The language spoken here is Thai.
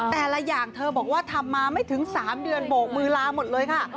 แต่ละอย่างเธอบอกว่าทำมาไม่ถึง๓เดือนโบกมือลาหมดเลยค่ะ